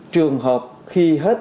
trường hợp khi hết